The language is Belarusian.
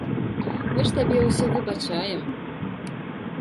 Мы ж табе ўсё выбачаем.